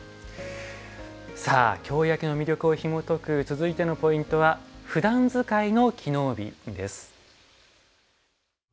京焼の魅力をひもとく続いてのポイントふだんづかいの「機能美」です。